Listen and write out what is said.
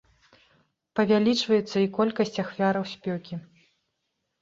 Павялічваецца і колькасць ахвяраў спёкі.